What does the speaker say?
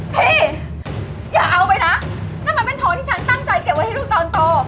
พี่อย่าเอาไปนะนั่นมันเป็นทองที่ฉันตั้งใจเก็บไว้ให้ลูกตอนโต